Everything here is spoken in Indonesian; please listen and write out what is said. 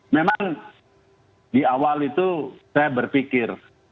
memang di awal itu saya berpikir